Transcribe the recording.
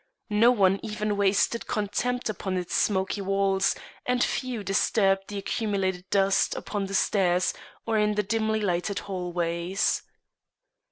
No one even wasted contempt upon its smoky walls, and few disturbed the accumulated dust upon the stairs or in the dimly lighted hallways.